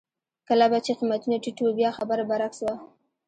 کله به چې قېمتونه ټیټ وو بیا خبره برعکس وه.